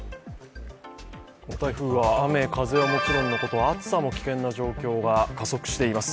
この台風は雨・風はもちろんのこと、暑さも危険な状況が加速しています。